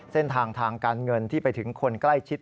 เส้นทางทางการเงินที่ไปถึงคนใกล้ชิด